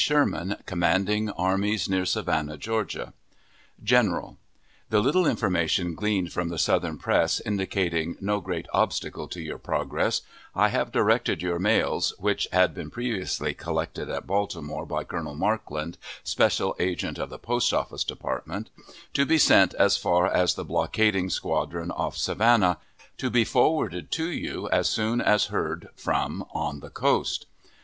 SHERMAN, commanding Armies near Savannah, Georgia. GENERAL: The little information gleaned from the Southern press indicating no great obstacle to your progress, I have directed your mails (which had been previously collected in Baltimore by Colonel Markland, special agent of the Post Office Department) to be sent as far as the blockading squadron off Savannah, to be forwarded to you as soon as heard from on the coast.